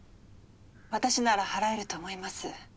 私なら祓えると思います。